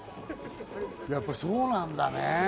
やっぱそうなんだね。